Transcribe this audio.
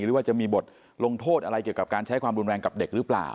หรือว่าจะมีบทลงโทษอะไรเกี่ยวกับการใช้ความรุนแรงกับเด็กหรือเปล่า